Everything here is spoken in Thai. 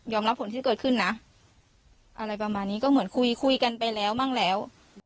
รับผลที่เกิดขึ้นนะอะไรประมาณนี้ก็เหมือนคุยคุยกันไปแล้วมั่งแล้ว